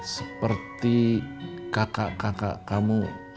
seperti kakak kakak kamu